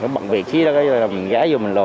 bấm biển xe đó là mình ghé vô mình lộn